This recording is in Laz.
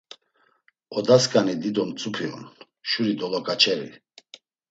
Odasǩani dido mtzupi on, şuri doloǩaçeri.